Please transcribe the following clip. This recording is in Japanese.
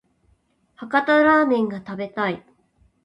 博多ラーメンが食べたい